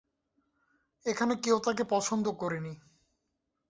এখানে কেউ তাকে পছন্দ করেনি।